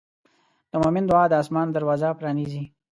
د مؤمن دعا د آسمان دروازه پرانیزي.